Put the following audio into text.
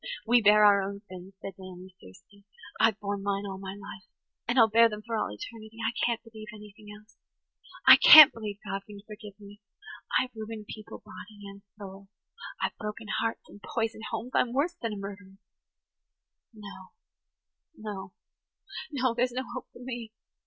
"We bear our own sins," said Naomi fiercely. "I've borne mine all my life–and I'll bear them for all eternity. I can't believe anything else. I can't believe God can forgive me. I've ruined people body and soul–I've broken hearts and poisoned homes–I'm worse than a murderess. [Page 108] No–no–no, there's no hope for me."